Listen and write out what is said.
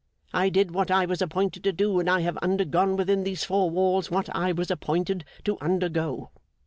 I did what I was appointed to do, and I have undergone, within these four walls, what I was appointed to undergo.